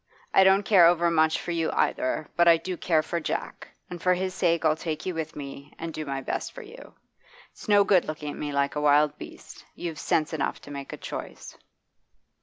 I don't care over much for you either; but I do care for Jack, and for his sake I'll take you with me, and do my best for you. It's no good looking at me like a wild beast You've sense enough to make a choice.